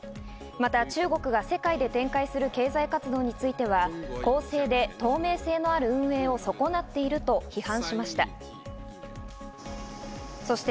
また中国が世界で展開する経済活動については、公正で透明性のある運営をそこなっていると批判しました。